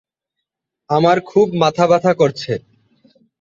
পরিশেষে বলা যায় যে, জীবনে সাফল্য লাভের জন্য অধ্যবসায় অত্যাবশ্যক।